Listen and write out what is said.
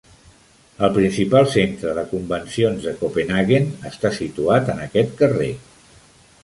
El principal centre de convencions de Copenhaguen està situat en aquest carrer.